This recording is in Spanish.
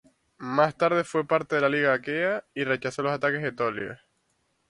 Más tarde fue parte de la Liga Aquea y rechazó los ataques etolios.